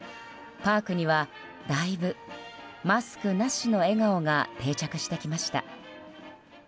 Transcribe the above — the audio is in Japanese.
パークには、だいぶマスクなしの笑顔が定着してきました。